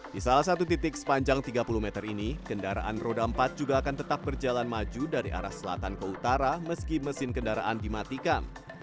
di salah satu titik sepanjang tiga puluh meter ini kendaraan roda empat juga akan tetap berjalan maju dari arah selatan ke utara meski mesin kendaraan dimatikan